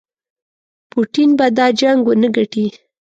پوټین به دا جنګ ونه ګټي.